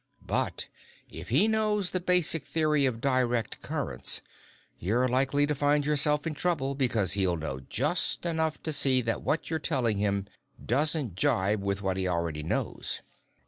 But if he knows the basic theory of direct currents, you're likely to find yourself in trouble because he'll know just enough to see that what you're telling him doesn't jibe with what he already knows.